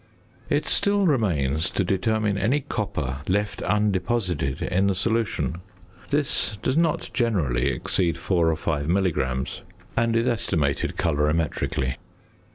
It still remains to determine any copper left undeposited in the solution. This does not generally exceed four or five milligrams, and is estimated colorimetrically.